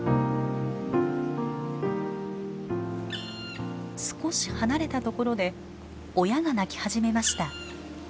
少し離れたところで親が鳴き始めました。